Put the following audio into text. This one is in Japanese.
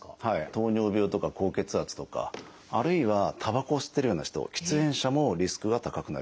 糖尿病とか高血圧とかあるいはたばこを吸ってるような人喫煙者もリスクは高くなります。